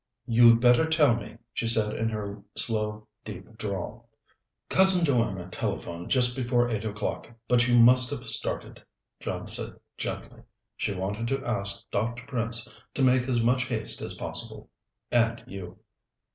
"You'd better tell me," she said in her slow, deep drawl. "Cousin Joanna telephoned just before eight o'clock, but you must have started," John said gently. "She wanted to ask Dr. Prince to make as much haste as possible and you."